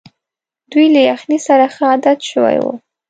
دوی له یخنۍ سره ښه عادت شوي وو.